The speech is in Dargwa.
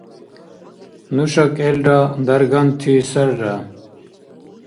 Нуша кӀелра дарганти сарра.